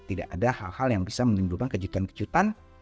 tidak ada hal hal yang bisa menimbulkan kejutan kejutan